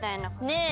ねえ。